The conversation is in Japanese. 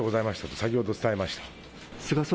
先ほど伝えました。